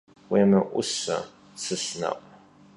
Yêmı'use tsısne'u.